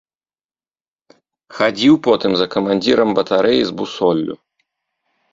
Хадзіў потым за камандзірам батарэі з бусоллю.